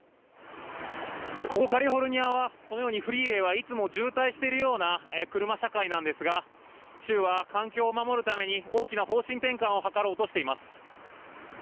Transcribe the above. ここ、カリフォルニアはこのようにフリーウェイはいつも渋滞しているような車社会なんですが州は環境を守るために大きな方針転換を図ろうとしています。